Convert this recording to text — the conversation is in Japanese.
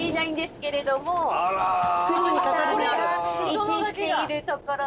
位置している所で。